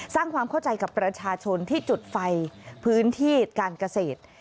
สร้างความเข้าใจกับประชาชนที่จุดไฟพื้นที่การเกษตร